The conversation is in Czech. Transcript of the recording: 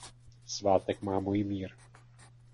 Svátek má Mojmír.